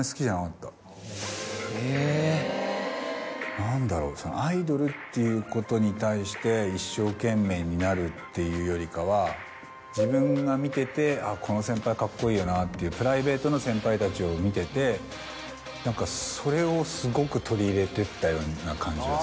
何だろうそのアイドルっていうことに対して一生懸命になるっていうよりかは自分が見てて「あっ」。っていうプライベートの先輩たちを見てて何かそれをすごく取り入れてったような感じはする。